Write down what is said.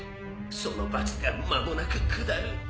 その罰が間もなく下る。